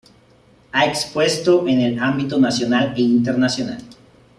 Ha expuesto en el ámbito Nacional e Internacional.